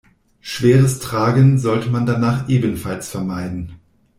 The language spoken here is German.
Schweres Tragen sollte man danach ebenfalls vermeiden.